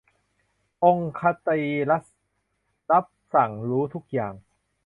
องค์ศรีรัศมิ์ รับสั่ง รู้ทุกอย่าง